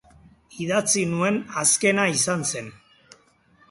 Idatzi nuen azkena izan zen.